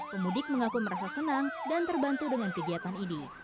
pemudik mengaku merasa senang dan terbantu dengan kegiatan ini